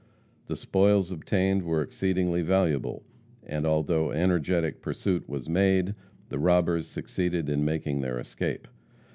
The spoils obtained were exceedingly valuable, and although energetic pursuit was made, the robbers succeeded in making their escape.